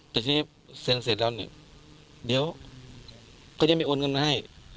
แต่ทีนี้เซ็นเสร็จแล้วเนี่ยเดี๋ยวก็ยังไม่โอนเงินมาให้